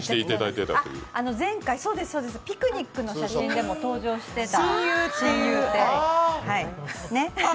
前回、ピクニックの写真でも登場してた親友って。